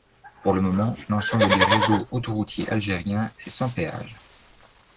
Pour le moment, l'ensemble du réseau autoroutier algérien est sans péage.